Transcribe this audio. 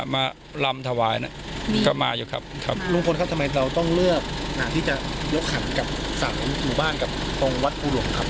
มาลำถวายก็มาอยู่ครับ